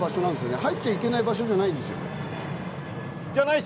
入っちゃいけない場所ではないんですか？